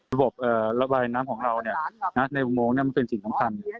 ระบายน้ำของเราเนี่ยในวงงมันเป็นสิ่งสำคัญ